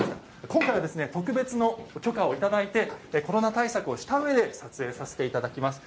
今回は特別の許可をいただいてコロナ対策をしたうえで撮影させていただきます。